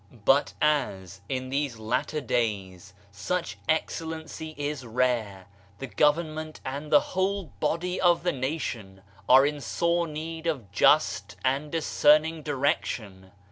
But as, in these latter days, such excellency is rare, the government and the whole body of the nation are in sore need of just and discerning direc tion.